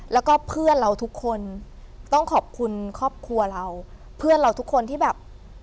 แล้วก็เพื่อนเราทุกคนต้องขอบคุณครอบครัวเราเพื่อนเราทุกคนที่แบบ